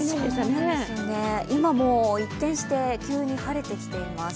そうですね、今は一転して急に晴れてきています。